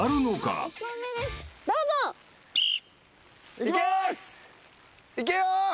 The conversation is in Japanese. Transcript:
いけよ！